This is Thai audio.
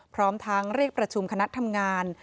พร้อมทั้งเรียกประชุมคณะทำงาน